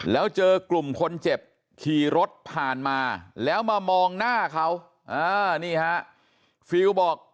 แล้วเจอกลุ่มคนเจ็บขี่รถผ่านมาแล้วมามองหน้าเขานี่ฮะฟิลบอก